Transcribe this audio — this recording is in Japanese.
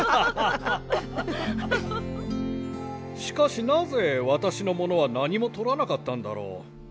しかしなぜ私のものは何もとらなかったんだろう？